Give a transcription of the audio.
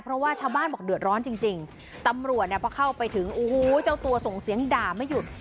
เพราะว่าชาวบ้านบอกเดือดร้อนจริงจริงตำรวจเนี่ยพอเข้าไปถึงโอ้โหเจ้าตัวส่งเสียงด่าไม่หยุด